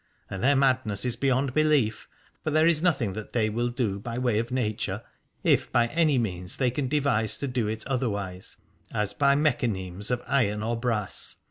And their madness is beyond belief, for there is nothing that they will do by way of nature if by any means they can devise to do it otherwise, as by mechanemes of iron or brass.